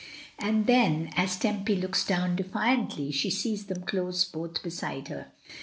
and then as Tempy looks down defiantly she sees them both close beside her.